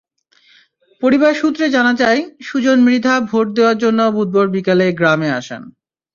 পরিবার সূত্রে জানা যায়, সুজন মৃধা ভোট দেওয়ার জন্য বুধবার বিকেলে গ্রামে আসেন।